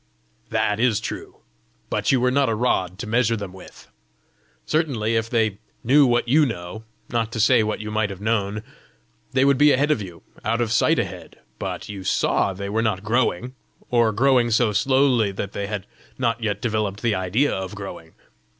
"That is true. But you were not a rod to measure them with! Certainly, if they knew what you know, not to say what you might have known, they would be ahead of you out of sight ahead! but you saw they were not growing or growing so slowly that they had not yet developed the idea of growing!